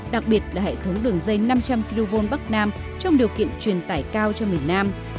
đặc biệt là hệ thống đường dây năm trăm linh kv bắc nam trong điều kiện truyền tải cao cho miền nam